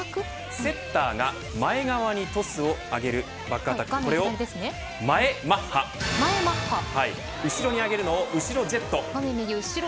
セッターが前側にトスを上げるバックアタック、これを前マッハ後ろに上げるのを後ろジェット。